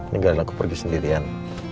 tinggalin aku pergi sendirian